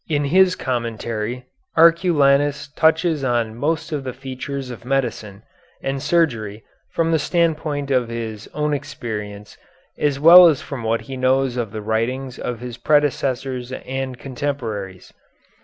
In his commentary Arculanus touches on most of the features of medicine and surgery from the standpoint of his own experience as well as from what he knows of the writings of his predecessors and contemporaries.